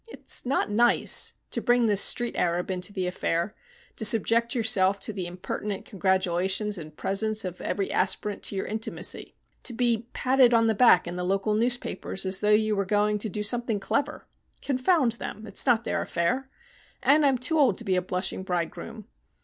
It's not nice. To bring the street arab into the affair, to subject yourself to the impertinent congratulations and presents of every aspirant to your intimacy, to be patted on the back in the local newspapers as though you were going to do something clever. Confound them! It's not their affair. And I'm too old to be a blushing bridegroom.